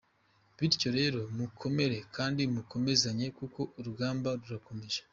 Bityo rero mukomere kandi mukomezanye kuko urugamba rurakomeje.